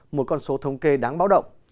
một con số thống kê đáng báo động